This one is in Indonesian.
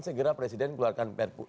segera presiden keluarkan perpu